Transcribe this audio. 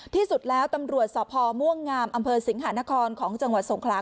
ที่สุดแล้วตำรวจสพม่วงงามอำเภอสิงหานครของจังหวัดสงครา